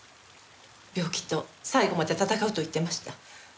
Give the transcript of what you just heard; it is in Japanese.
病気と最後まで闘うと言ってました。